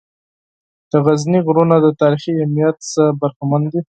د غزني غرونه د تاریخي اهمیّت څخه برخمن دي.